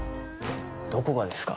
どこがですか？